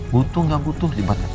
butuh gak butuh libatkan papa